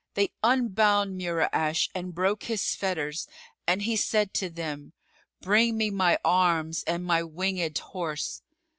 they unbound Mura'ash and broke his fetters, and he said to them, "Bring me my arms and my winged horse."